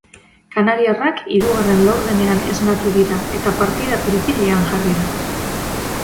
Kanariarrak hirugarren laurdenean esnatu dira eta partida pil-pilean jarri da.